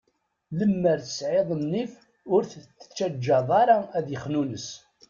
Lemmer tesɛiḍ nnif, ur t-tettaǧǧaḍ ara ad ixnunes.